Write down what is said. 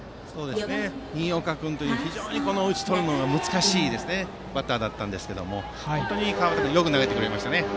新岡君という非常に打ち取るのが難しいバッターだったんですけど本当に川端君よく投げてくれましたね。